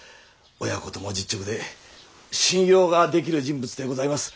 親子とも実直で信用ができる人物でございます。